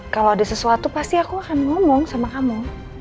kalau ada sesuatu pasti aku akan ngomong sama kamu